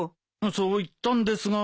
そう言ったんですが。